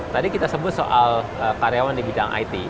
tadi kita sebut soal karyawan di bidang it